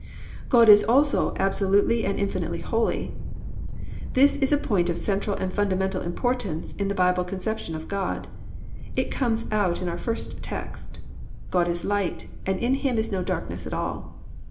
4. God is also absolutely and infinitely holy. This is a point of central and fundamental importance in the Bible conception of God. It comes out in our first text: +"God is light, and in him is no darkness at all."